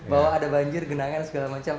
bahwa ada banjir genangan segala macam